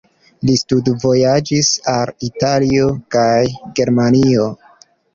Li studvojaĝis al Italio kaj Germanio.